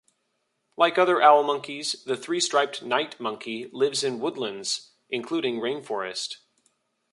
Like other owl monkeys, the three-striped night monkey lives in woodlands including rain forest.